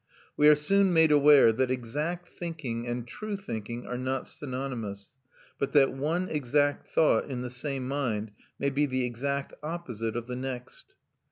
We are soon made aware that exact thinking and true thinking are not synonymous, but that one exact thought, in the same mind, may be the exact opposite of the next.